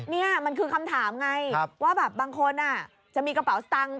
นี่มันคือคำถามไงว่าแบบบางคนจะมีกระเป๋าสตังค์